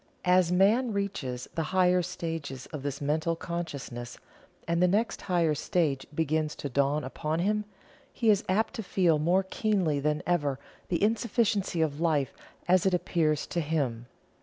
As man reaches the higher stages of this Mental Consciousness, and the next higher stage begins to dawn upon him, he is apt to feel more keenly than ever the insufficiency of Life as it appears to him.